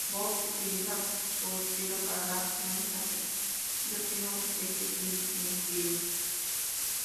Bob utiliza su estilo para dar su mensaje, yo tengo que seguir mi estilo".